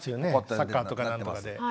サッカーとか何とかで。